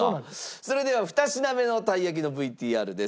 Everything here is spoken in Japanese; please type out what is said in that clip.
それでは２品目のたい焼きのＶＴＲです。